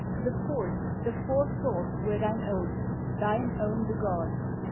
The force, the forethought, were thine own, Thine own the gods.